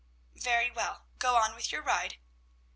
"Very well, go on with your ride."